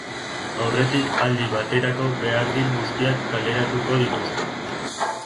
Aurretik, aldi baterako behargin guztiak kaleratuko dituzte.